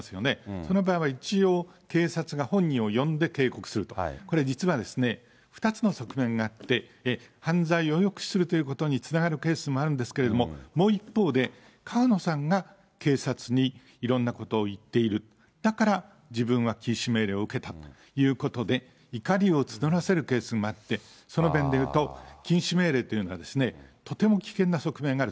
その場合は一応、警察が本人を呼んで警告すると、これ実は、２つの側面があって、犯罪を抑止するということにつながるというケースもあるんですけれども、もう一方で、川野さんが警察にいろんなことを言っている、だから自分は禁止命令を受けたということで、怒りを募らせるケースもあって、その面でいうと、禁止命令というのはとても危険な側面がある。